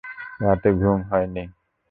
রাতে ঘুম হয় নি।